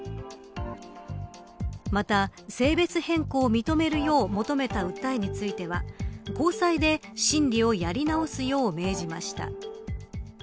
また、性別変更を認めるよう求めた訴えについては高裁で審理をやり直すよう命じました。